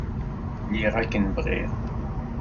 Lliɣ akken bɣiɣ.